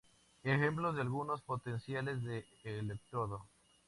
Ejemplos de algunos potenciales de electrodo